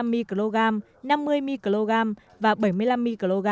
hai mươi năm mg năm mươi mg và bảy mươi năm mg